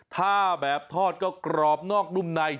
ถ้าแบบทอดก็กรอบนอกนุ่มใน